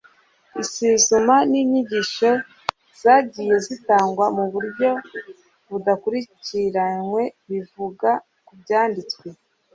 Isuzuma n'inyigisho zagiye zitangwa mu buryo budakurikiranywe bivuga ku Byanditswe,